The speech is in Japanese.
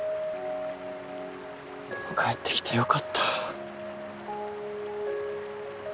でも帰ってきてよかった。